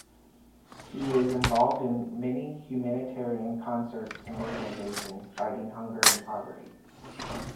He is involved in many humanitarian concerts and organizations fighting hunger and poverty.